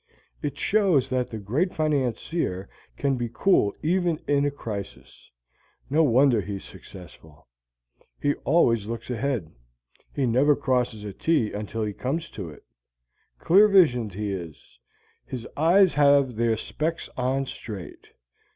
It shows that the great financier can be cool even in a crisis. No wonder he is successful. He always looks ahead; he never crosses a T until he comes to it. Clear visioned he is; his I's have their specks on straight.